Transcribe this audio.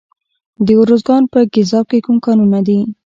د ارزګان په ګیزاب کې کوم کانونه دي؟